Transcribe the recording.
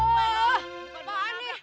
wah apaan nih